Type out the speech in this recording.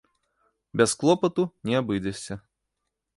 Без клопату не абыдзешся.